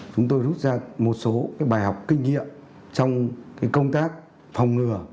chúng tôi rút ra một số bài học kinh nghiệm trong công tác phòng ngừa